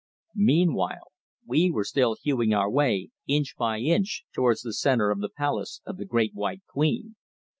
Meanwhile, we were still hewing our way, inch by inch, towards the centre of the palace of the Great White Queen.